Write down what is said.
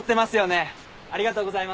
ありがとうございます。